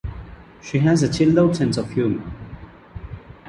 She has a chilled out sense of humour.